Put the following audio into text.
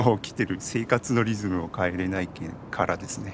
生活のリズムを変えれないけんからですね。